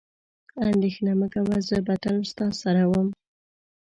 اندېښنه مه کوه، زه به تل ستا سره وم.